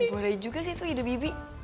boleh juga sih itu ide bi bi